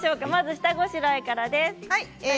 まずは下ごしらえからです。